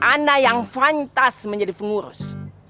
anda yang fantas menjadi pengurus